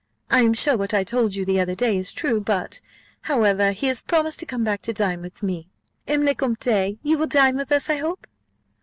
I am sure what I told you the other day is true: but, however, he has promised to come back to dine with me M. le Comte, you will dine with us, I hope?"